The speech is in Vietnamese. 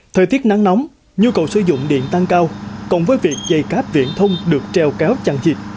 thời tiết nắng nóng nhu cầu sử dụng điện tăng cao cộng với việc dây cáp viễn thông được treo kéo chẳng chịt